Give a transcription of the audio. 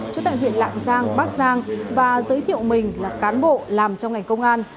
trú tại huyện lạng giang bắc giang và giới thiệu mình là cán bộ làm trong ngành công an